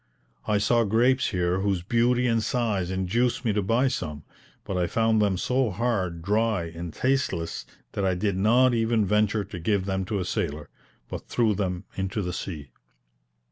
I saw grapes here whose beauty and size induced me to buy some; but I found them so hard, dry, and tasteless, that I did not even venture to give them to a sailor, but threw them into the sea.